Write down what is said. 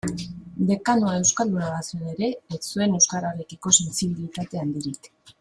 Dekanoa euskalduna bazen ere, ez zuen euskararekiko sentsibilitate handirik.